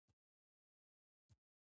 پاچاهانو د خلکو ځمکې خپلو خپلوانو ته ورکړې.